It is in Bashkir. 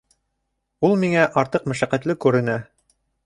Ул миңә артыҡ мәшәҡәтле күренә.